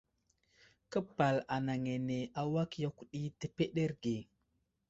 Képal anaŋ ane awak yakw ɗi təpəɗerge.